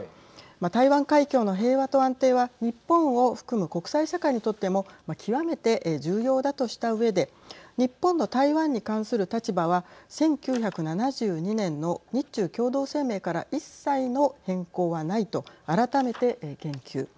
台湾海峡の平和と安定は日本を含む国際社会にとっても極めて重要だとしたうえで日本の台湾に関する立場は１９７２年の日中共同声明から一切の変更はないと改めて言及。